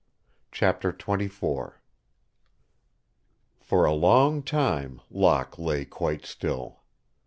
CHAPTER XXIV For a long time Locke lay quite still.